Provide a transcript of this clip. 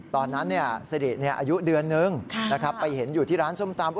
ตอนนั้นสิริอายุเดือนนึงไปเห็นอยู่ที่ร้านส้มตำ